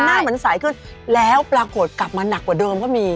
หน้าเหมือนใสขึ้นแล้วปรากฏกลับมาหนักกว่าเดิมก็มี